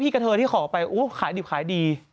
พี่แมว่ะแต่หนุ่มไม่ได้พี่แมว่ะแต่หนุ่มไม่ได้